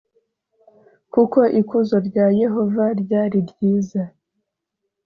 kuko ikuzo rya yehova ryari ryiza